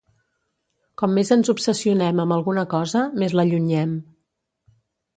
Com més ens obsessionem amb alguna cosa, més l'allunyem.